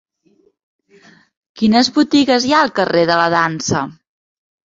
Quines botigues hi ha al carrer de la Dansa?